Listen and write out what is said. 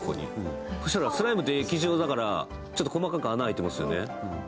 そしたらスライムって液状だから細かくあがいてますよね。